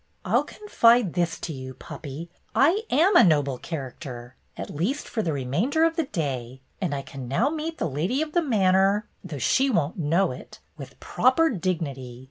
"I'll confide this to you, puppy, I a Noble Character, at least for the remainder of the day, and I can now meet the lady of the ii8 BETTY BAIRD'S GOLDEN YEAR manor — though she won't know it — with proper dignity.